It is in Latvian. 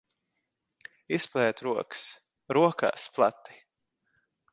Izplet rokas. Rokas plati!